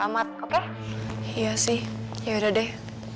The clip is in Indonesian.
amat oke iya sih ya udah deh